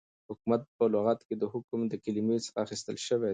حكومت په لغت كې دحكم دكلمې څخه اخيستل سوی